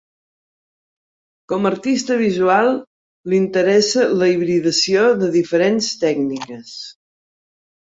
Com artista visual l'interessa la hibridació de diferents tècniques.